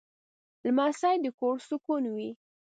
لمسی د کور سکون وي.